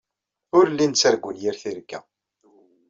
Ur llin ttargun yir tirga.